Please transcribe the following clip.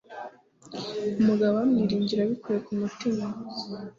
Umugabo we amwiringira abikuye ku mutima